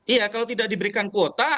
iya kalau tidak diberikan kuota